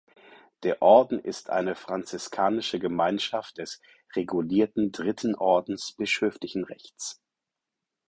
Der Orden ist eine franziskanische Gemeinschaft des regulierten Dritten Ordens bischöflichen Rechts.